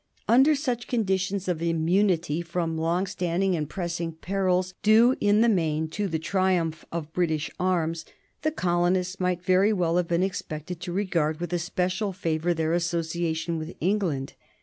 Under such conditions of immunity from long standing and pressing perils, due in the main to the triumph of British arms, the colonists might very well have been expected to regard with especial favor their association with England.